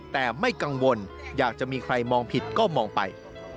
แต่ไม่กังวลอยากจะมีใครมองผิดก็มองไป